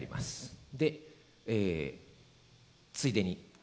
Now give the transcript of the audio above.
でついでに。